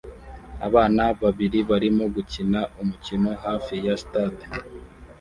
Abana babiri barimo gukina umukino hafi ya stade